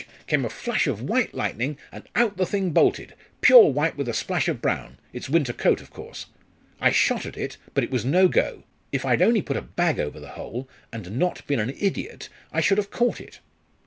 came a flash of white lightning, and out the thing bolted pure white with a splash of brown its winter coat, of course. I shot at it, but it was no go. If I'd only put a bag over the hole, and not been an idiot, I should have caught it."